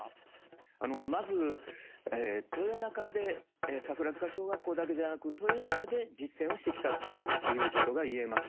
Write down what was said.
まず豊中で桜塚小学校だけじゃなく豊中で実践をしてきたということが言えます。